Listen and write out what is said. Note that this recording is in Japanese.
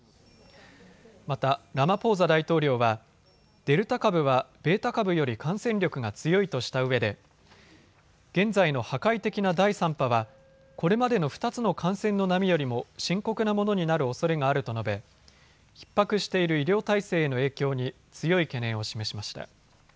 またラマポーザ大統領はデルタ株はベータ株より感染力が強いとしたうえで現在の破壊的な第３波はこれまでの２つの感染の波よりも深刻なものになるおそれがあると述べひっ迫している医療体制への影響に強い懸念を示しました。